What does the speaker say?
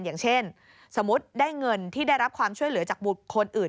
อย่างเช่นสมมุติได้เงินที่ได้รับความช่วยเหลือจากบุคคลอื่น